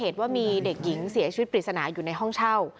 ว่ามีเด็กหญิงเสียชีวิตปริศนาอยู่ในห้องเช่า